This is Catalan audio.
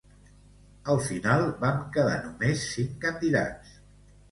Al final, vam quedar només cinc candidats.